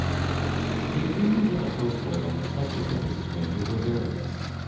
The opinions of the household on the subject of this stranger were various.